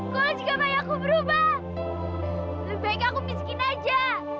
kalau jika ayahku berubah lebih baik aku miskin aja